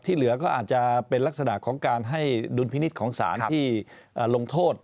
เหลือก็อาจจะเป็นลักษณะของการให้ดุลพินิษฐ์ของสารที่ลงโทษ